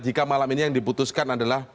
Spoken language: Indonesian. jika malam ini yang diputuskan adalah